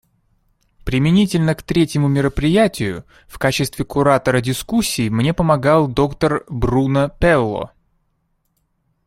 Применительно к третьему мероприятию в качестве куратора дискуссий мне помогал д-р Бруно Пелло.